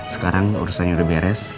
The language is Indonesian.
sekarang urusannya udah beres